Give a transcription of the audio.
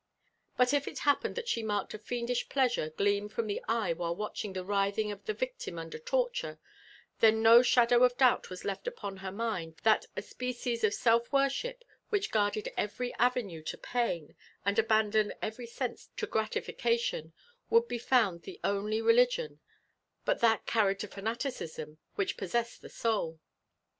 But if it happened that she marked a fiendish pleasure gleam from the eye while watching the writhing of the victim under torture, then no shadow of doubt was left upon her mind that a species of self worship, which guarded every avenue to pain, and abandoned every sense to gratification, would be foimd the only religion '—but that carried to fanaticism — which possessed the soul.